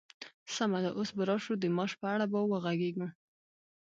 سمه ده، اوس به راشو د معاش په اړه به وغږيږو!